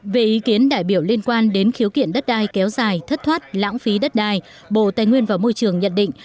về ý kiến đại biểu liên quan đến khiếu kiện đất đai kéo dài thất thoát lãng phí đất đai bộ tài nguyên và môi trường nhận định